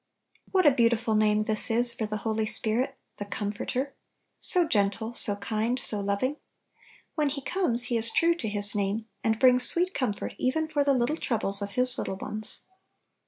What a beautiful name this is for the Holy Spirit, " The Comforter !" so gentle, so kind, so loving. When He comes He is true to His name, and 42 Little Pillows. brings sweet comfort even for the little troubles of His little ones.